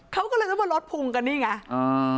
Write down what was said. เขาก็เลยรู้ว่ารถพุงกันนี่ไง